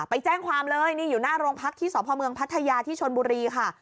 ไปแจ้งความเลยนี่อยู่หน้าโรงพักที่สพเมืองพัทยาที่ชนบุรีค่ะ